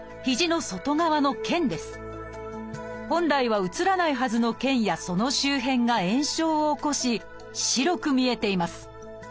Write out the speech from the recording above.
本来は写らないはずの腱やその周辺が炎症を起こし白く見えています。